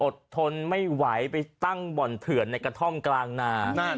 ทนไม่ไหวไปตั้งบ่อนเถื่อนในกระท่อมกลางนา